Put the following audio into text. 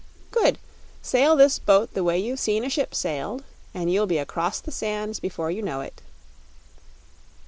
"Good. Sail this boat the way you've seen a ship sailed, and you'll be across the sands before you know it."